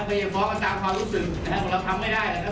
ไม่ฟ้องกันตามความรู้สึกนะฮะเราทำไม่ได้แล้วครับ